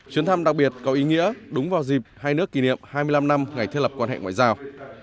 chuyến thăm đặc biệt có ý nghĩa đúng vào dịp hai nước kỷ niệm hai mươi năm năm ngày thiết lập quan hệ ngoại giao